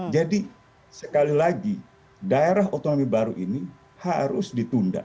jadi sekali lagi daerah otonomi baru ini harus ditunda